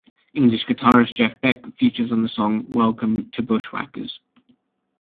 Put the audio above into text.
English guitarist Jeff Beck features on the song "Welcome to Bushwackers".